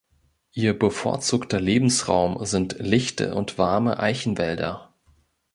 Ihr bevorzugter Lebensraum sind lichte und warme Eichenwälder.